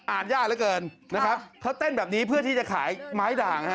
ยากเหลือเกินนะครับเขาเต้นแบบนี้เพื่อที่จะขายไม้ด่างฮะ